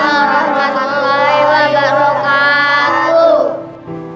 waalaikumsalam warahmatullahi wabarakatuh